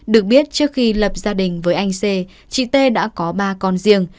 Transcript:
được biết trước khi lập gia đình với anh c chị t đã có ba con riêng